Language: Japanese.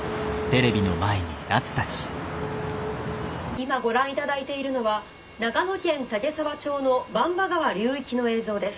「今ご覧いただいているのは長野県岳沢町の番場川流域の映像です。